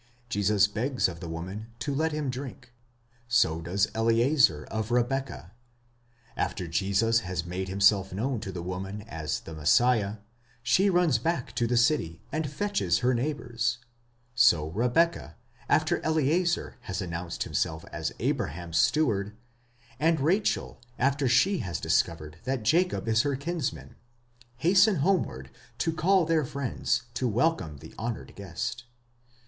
Jesus begs of the woman to let him drink ; so does Eliezer of Rebekah; after Jesus has made himself known to the woman as the Messiah, she runs back to the city, and fetches her neighbours: so Rebekah, after Eliezer has announced himself as Abra ham's steward, and Rachel, after she has discovered that Jacob is her kinsman, hasten homeward to call their friends to welcome the honoured. guest.